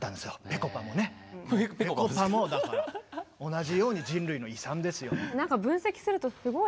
ぺこぱもだから同じように人類の遺産ですよ。